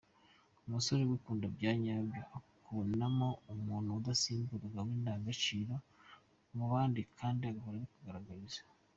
Umusore ugukunda bya nyabyo akubonamo umuntu udasimburwa, w’indashyikirwa mu bandi kandi agahora abikugaragariza.